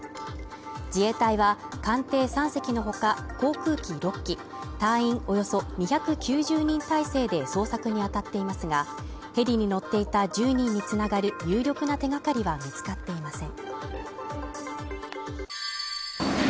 自衛隊は艦艇３隻の他航空機６機、隊員およそ２９０人態勢で捜索にあたっていますがヘリに乗っていた１０人に繋がる有力な手がかりは見つかっていません。